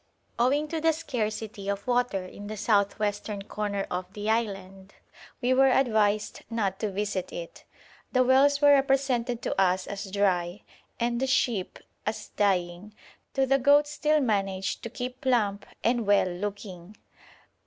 Owing to the scarcity of water in the south western corner of the island we were advised not to visit it; the wells were represented to us as dry, and the sheep as dying, though the goats still managed to keep plump and well looking.